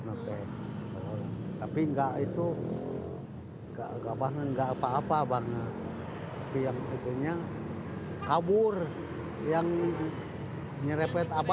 ngetek tapi enggak itu kakak banget enggak apa apa banget yang bikinnya kabur yang nyerepet apa kabur